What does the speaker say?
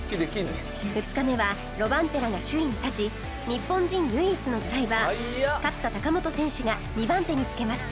２日目はロバンペラが首位に立ち日本人唯一のドライバー勝田貴元選手が２番手につけます